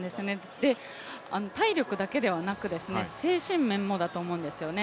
体力だけではなく、精神面もだと思うんですよね。